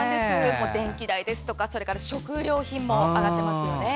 電気代ですとか食料品も上がっていますよね。